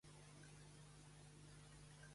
Marie per fer-ho.